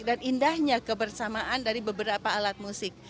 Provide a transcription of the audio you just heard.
dan indahnya kebersamaan dari beberapa alat musik